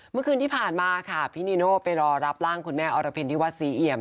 เมื่อคืนที่ผ่านมาค่ะพี่นีโน่ไปรอรับร่างคุณแม่อรพินที่วัดศรีเอี่ยม